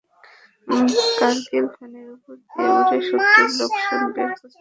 আমাদের কার্গিল ভ্যালির উপর দিয়ে উড়ে শত্রুর লোকেশন বের করতে হবে।